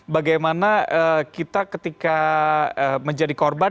bagaimana kita ketika menjadi korban